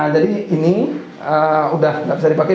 jadi ini udah gak bisa dipakai